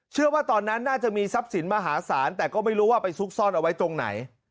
ตอนนั้นน่าจะมีทรัพย์สินมหาศาลแต่ก็ไม่รู้ว่าไปซุกซ่อนเอาไว้ตรงไหน